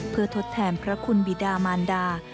เพื่อทดแทนพระคุณบิดามานดา